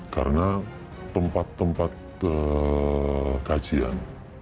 karena tempat tempat kajian